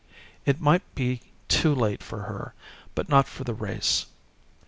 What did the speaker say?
It might be too late for her, but not for the race.